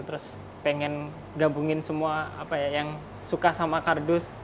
terus pengen gabungin semua apa ya yang suka sama kardus